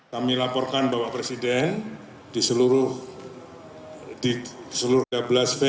kami laporkan bapak presiden di seluruh tiga belas venue yang direhabilitasi untuk persiapan asian games